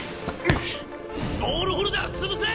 ボールホルダー潰せ！